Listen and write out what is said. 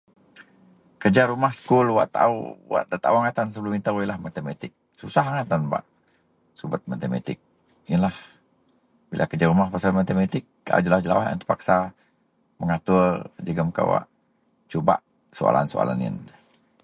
Kerja rumah sekul, wak taou, wak nda taou angai tan sebelum itoulah matematik. Susah angai tan bak subet matematik. Yenlah bila kereja rumah pasel matematik kaau jelawaih-jelawaih terpaksa mengatuor jegem kawak subak soalan-soalan yen.